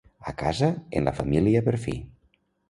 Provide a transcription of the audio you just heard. A casa en la família per fi.